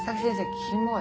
キモい？